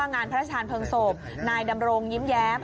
นายดำรงยิ้มแย้ม